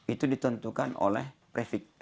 itu ditentukan oleh prefix